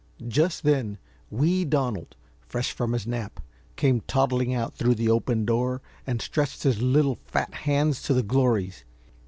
Just then wee Donald, fresh from his nap, came toddling out through the open door, and stretched his little fat hands to the glories.